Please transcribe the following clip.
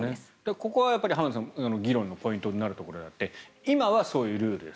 ここは浜田さん議論のポイントになるところであって今はそういうルールです。